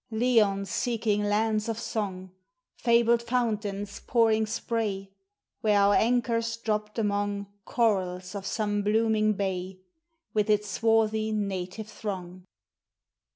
Leons seeking lands of song; Fabled fountains pouring spray; Where our anchors dropped among Corals of some blooming bay, With its swarthy native throng.